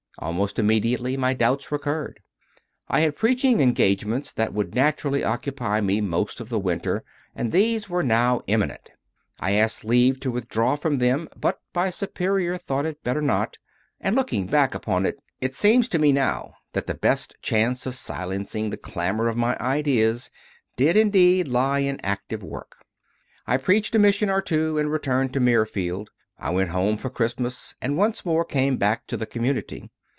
Almost immediately my doubts recurred. I had preaching engagements that would naturally occupy me most of the winter, and these were now imminent. I asked leave to withdraw from them, but my Superior thought it better not; and, looking back upon it, it seems to me now that the best chance of silencing the clamour of my ideas did indeed lie in active work. I preached a mission or two and returned to Mirfield; I went home for Christmas and once more came back to the Community.